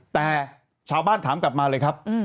แต่ชาวบ้านถามกลับมาเลยครับ